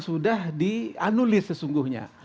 sudah dianulir sesungguhnya